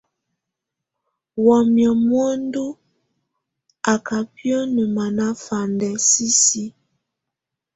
Wamɛ̀á muǝndu á ká biǝ́nǝ manafandɛ sisi.